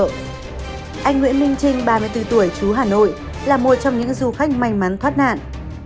anh nguyễn minh trinh ba mươi bốn tuổi chú hà nội là một trong những du khách may mắn thoát nạn